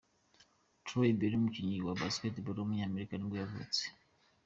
Troy Bell, umukinnyi wa basketball w’umunyamerika nibwo yavutse.